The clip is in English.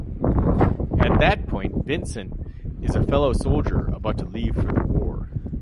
At that point Vincent is a fellow soldier about to leave for the war.